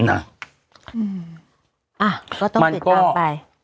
อ่ะก็ต้องติดตามไป